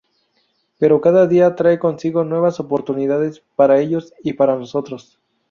Pero cada día trae consigo nuevas oportunidades para ellos y para nosotros.